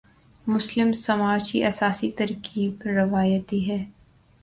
مسلم سماج کی اساسی ترکیب روایتی ہے۔